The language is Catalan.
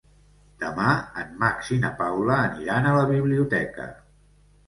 Demà en Max i na Paula aniran a la biblioteca.